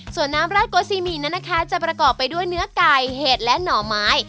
ส่วนน้ำราดโกซีหมี่นั้นนะคะจะประกอบไปด้วยเนื้อไก่เห็ดและหน่อไม้